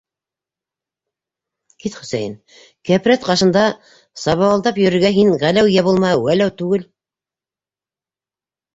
Кит, Хөсәйен, кәпрәт ҡашында сабыуылдап йөрөргә һин Ғәләү йә булмаһа Вәләү түгел.